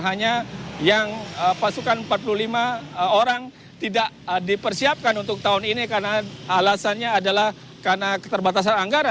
hanya yang pasukan empat puluh lima orang tidak dipersiapkan untuk tahun ini karena alasannya adalah karena keterbatasan anggaran